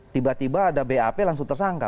tiba tiba ada bap langsung tersangka